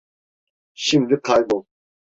Şimdi kaybol.